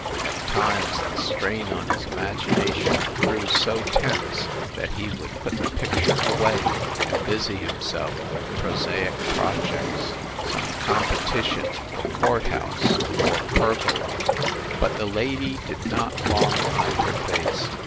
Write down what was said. At times the strain on his imagination grew so tense that he would put the picture away and busy himself with prosaic sub jects some competition for court house or pergola. But the lady did not long hide her face.